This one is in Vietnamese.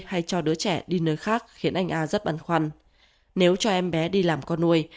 hay cho đứa trẻ đi nơi khác khiến anh a rất băn khoăn nếu cho em bé đi làm con nuôi